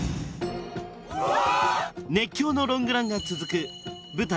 熱狂のロングランが続く舞台